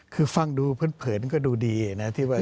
คือฟังดูเพื่อนก็ดูดีนะ